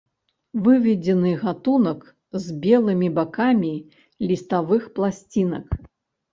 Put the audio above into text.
Выведзены гатунак з белымі бакамі ліставых пласцінак.